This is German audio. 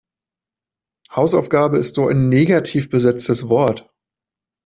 Hausaufgabe ist so ein negativ besetztes Wort.